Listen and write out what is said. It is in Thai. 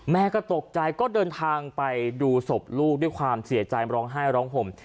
แม่ก็ตกใจก็เดินทางไปดูศพลูกด้วยความเสียใจร้องไห้ร้องห่ม